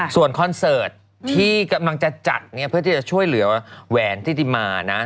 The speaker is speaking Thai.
ส่วนคอนเสิร์ตที่กำลังจะจัดเนี่ยเพื่อที่จะช่วยเหลือแหวนทิติมานะ